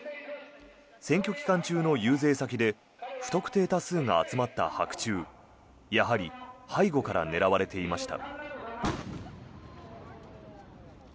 選挙期間中の遊説先で不特定多数が集まった白昼やはり背後から狙われていました。